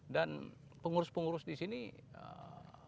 dan pengurus pengurus di sini mungkin setengahnya itu dari para penambang